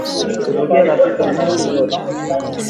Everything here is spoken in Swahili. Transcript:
Hutokea katika misimu yote